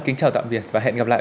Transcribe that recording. kính chào tạm biệt và hẹn gặp lại